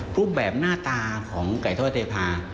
รูปแบบหน้าตาของไก่ทอดเทพา